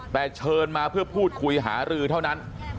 แต่เชิญมาเพื่อพูดคุยหารือเท่านั้น